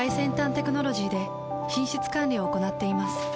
テクノロジーで品質管理を行っています